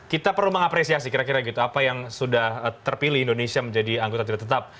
kita perlu mengapresiasi kira kira gitu apa yang sudah terpilih indonesia menjadi anggota tidak tetap